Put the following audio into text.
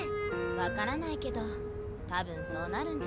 分からないけど多分そうなるんじゃない？